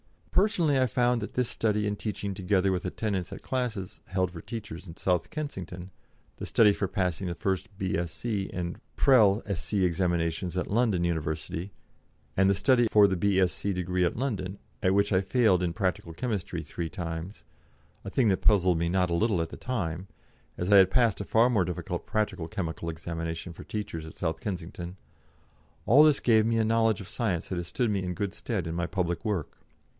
Personally I found that this study and teaching together with attendance at classes held for teachers at South Kensington, the study for passing the First B.Sc. and Prel. Sc. Examinations at London University, and the study for the B.Sc. degree at London, at which I failed in practical chemistry three times a thing that puzzled me not a little at the time, as I had passed a far more difficult practical chemical examination for teachers at South Kensington all this gave me a knowledge of science that has stood me in good stead in my public work.